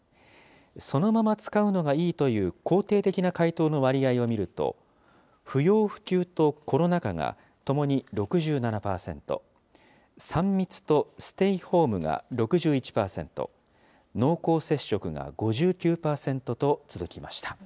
そのまま使うのがいいという肯定的な回答の割合を見ると、不要不急とコロナ禍がともに６７％、３密とステイホームが６１％、濃厚接触が５９％と続きました。